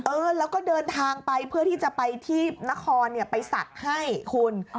เออแล้วก็เดินทางไปเพื่อที่จะไปที่นครไปศักดิ์ให้คุณ